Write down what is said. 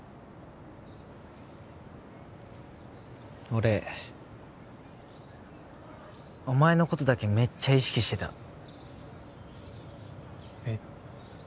俺お前のことだけめっちゃ意識してたえっ？